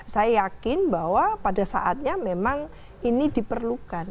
saya yakin bahwa pada saatnya memang ini diperlukan